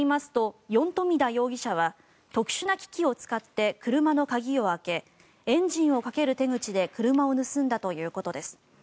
警察によりますとヨン・トミダ容疑者は特殊な機器を使って車の鍵を開けエンジンを動かす手口で車を盗んだということです。